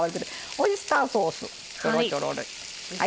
オイスターソース、ちょろちょろ。